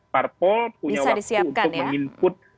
parpol punya waktu untuk menginput